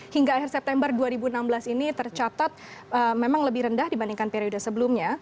hingga akhir september dua ribu enam belas ini tercatat memang lebih rendah dibandingkan periode sebelumnya